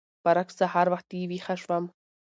برعکس سهار وختي ويښه شوم.